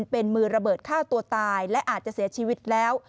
เป็นมือระเบิดฆ่าตัวตายและอาจจะเสียชีวิตแล้ว